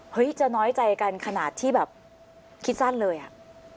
จะน้อยใจกันขนาดที่แบบคิดสั้นเลยอ่ะ